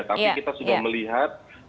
tapi kita sudah melihat